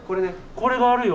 これがあるよ。